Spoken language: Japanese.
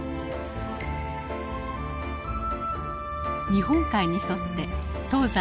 日本海に沿って東西